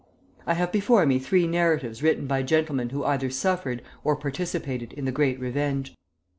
I have before me three narratives written by gentlemen who either suffered or participated in the Great Revenge.